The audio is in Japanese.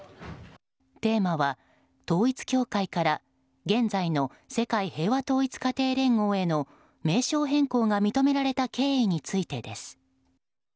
テーマは、統一教会から現在の世界平和統一家庭連合への名称変更が認められた経緯についてです。